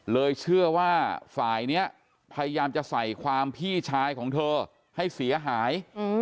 เชื่อว่าฝ่ายนี้พยายามจะใส่ความพี่ชายของเธอให้เสียหาย